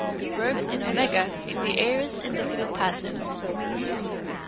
Verbs in @, in the aorist, indicative, passive.